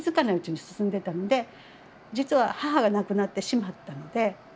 ないうちに進んでたので実は母が亡くなってしまったので。